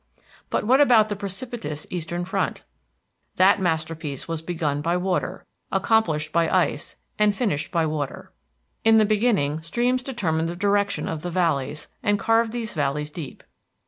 But what about the precipitous eastern front? That masterpiece was begun by water, accomplished by ice, and finished by water. In the beginning, streams determined the direction of the valleys and carved these valleys deep.